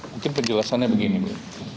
mungkin perjelasannya begini bu